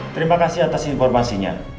terima kasih atas informasinya